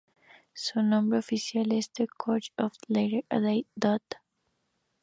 Su nombre oficial es "The Church of the Latter-Day Dude".